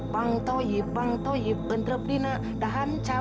pang toh i pang toh i bantrap di na dahan caw